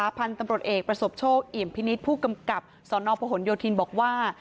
พันธุ์ตำรวจเอกประสบโชคเอี่ยมพินิษฐ์ผู้กำกับสนพหนโยธินบอกว่า